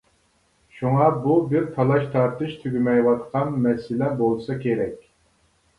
شۇڭا بۇ بىر تالاش-تارتىش تۈگىمەيۋاتقان مەسىلە بولسا كېرەك.